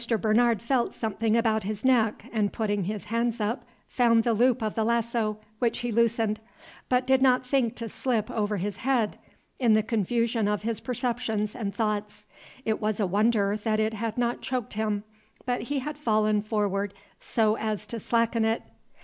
Bernard felt something about his neck, and, putting his hands up, found the loop of the lasso, which he loosened, but did not think to slip over his head, in the confusion of his perceptions and thoughts. It was a wonder that it had not choked him, but he had fallen forward so as to slacken it.